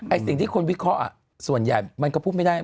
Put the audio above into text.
สิ่งที่คนวิเคราะห์ส่วนใหญ่มันก็พูดไม่ได้